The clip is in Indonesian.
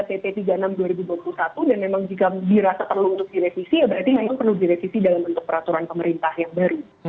pp tiga puluh enam dua ribu dua puluh satu dan memang jika dirasa perlu untuk direvisi ya berarti memang perlu direvisi dalam bentuk peraturan pemerintah yang baru